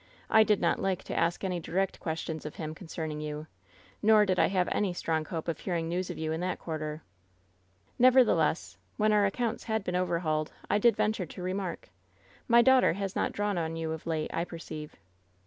I did not like to ask any direct ques tions of him concerning you ; nor did I have any strong hope of hearing news of you in that quarter. Never theless, when our accounts had been overhauled, I did renture to remark: ii ( «3i£y daughter has not drawn on you of late, I per ceive."